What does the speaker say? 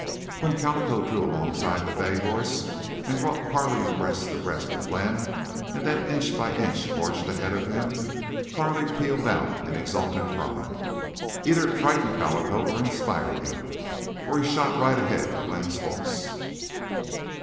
When Calico drew alongside the bay horse and brought Carley breast to breast with Glenn, and then inch by inch forged ahead of him, Carley pealed out an exultant cry. Either it frightened Calico or inspired him, for he shot right ahead of Glenn's horse.